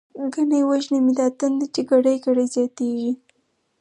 ګنی وژنی می دا تنده، چی ګړۍ ګړۍ زياتيږی